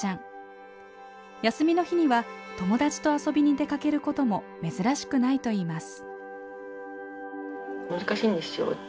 休みの日には友達と遊びに出かけることも珍しくないといいます。